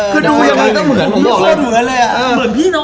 คือดูกันต้องเหมือน